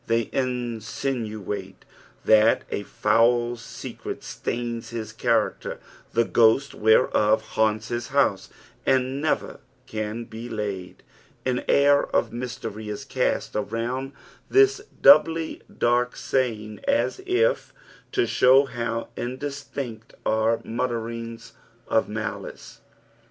They insinuate that a foul secret stains his character, the gliost whereof liannts his house, and never can be laid. An air of mystery ia cast around this doubly daik saying, as if to show how indistinct are the muttRrings of malice.